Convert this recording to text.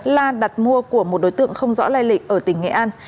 la đặt mua của một đối tượng không rõ lai lịch ở tỉnh nghệ an